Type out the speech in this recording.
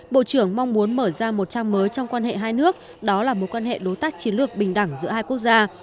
bộ trưởng mong muốn mở ra một trang mới trong quan hệ hai nước đó là mối quan hệ đối tác chiến lược bình đẳng giữa hai quốc gia